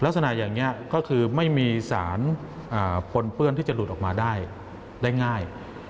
ลักษณะอย่างนี้ก็คือไม่มีสารปนเปื้อนที่จะหลุดออกมาได้ง่าย